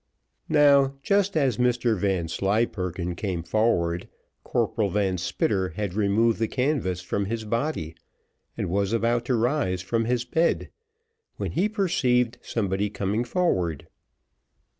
Now, just as Mr Vanslyperken came forward Corporal Van Spitter had removed the canvas from his body, and was about to rise from his bed, when he perceived somebody coming forward.